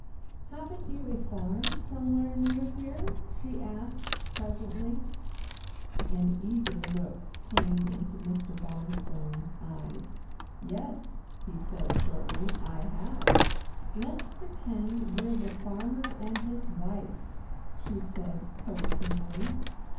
"Haven't you a farm somewhere near here?" she asked presently. An eager look came into Mr. Bonstone's eyes. "Yes," he said shortly. "I have." "Let's pretend we're the farmer and his wife," she said coaxingly.